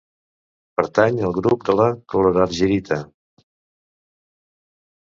Pertany al grup de la clorargirita.